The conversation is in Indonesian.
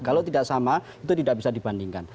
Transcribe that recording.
kalau tidak sama itu tidak bisa dibandingkan